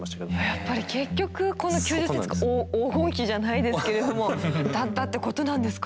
やっぱり結局この９０ｃｍが黄金比じゃないですけれどもだったってことなんですかね。